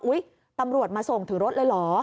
ตำรวจมาส่งถึงรถเลยเหรอ